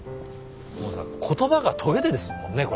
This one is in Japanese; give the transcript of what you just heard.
もうさ言葉がとげですもんねこれ。